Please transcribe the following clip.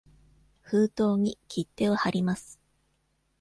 封筒に切手をはります。